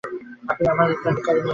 আপনি আমাদের ট্রাকের চাবি নিয়ে এসেছেন।